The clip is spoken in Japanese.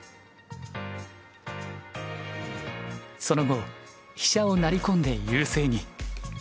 その後飛車を成り込んで優勢に。